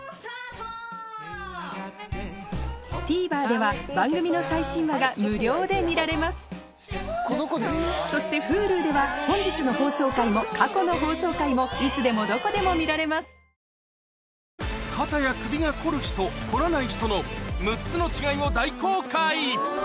ＴＶｅｒでは番組の最新話が無料で見られますそしてＨｕｌｕでは本日の放送回も過去の放送回もいつでもどこでも見られます大公開！